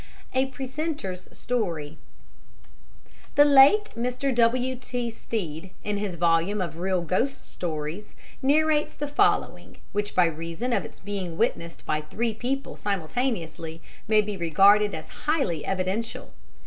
A Precentor's Story The late Mr. W.T. Stead, in his volume of Real Ghost Stories, narrates the following, which by reason of its being witnessed by three people simultaneously, may be regarded as highly evidential.